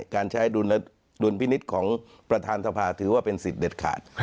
การใช้ดุลพินิษฐ์ของประธานสภาถือว่าเป็นสิทธิ์เด็ดขาด